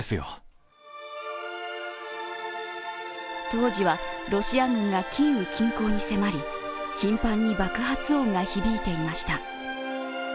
当時はロシア軍がキーウ近郊に迫り、頻繁に爆発音が響いていました。